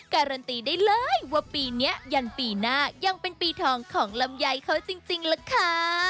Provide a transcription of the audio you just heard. การันตีได้เลยว่าปีนี้ยังปีหน้ายังเป็นปีทองของลำไยเขาจริงล่ะค่ะ